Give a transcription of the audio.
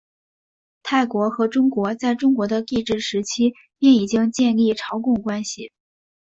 泰国和中国在中国的帝制时期便已经建立朝贡关系。